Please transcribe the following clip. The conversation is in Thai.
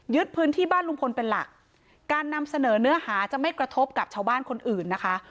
พื้นที่บ้านลุงพลเป็นหลักการนำเสนอเนื้อหาจะไม่กระทบกับชาวบ้านคนอื่นนะคะ